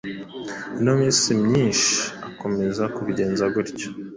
Iyo minsi myinshi akomeza kubigenza gutyo